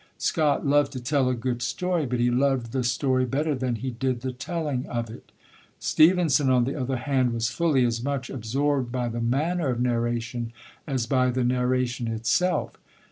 Scott loved to tell a good story, but he loved the story better than he did the telling of it; Stevenson, on the other hand, was fully as much absorbed by the manner of narration as by the narration itself.